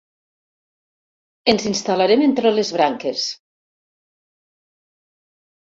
Ens instal·larem entre les branques.